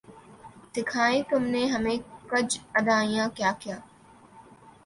سکھائیں تم نے ہمیں کج ادائیاں کیا کیا